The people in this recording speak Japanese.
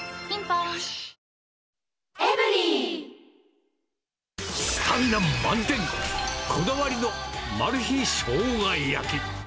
さあ、スタミナ満点、こだわりのまる秘しょうが焼き。